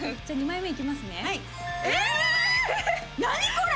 これ！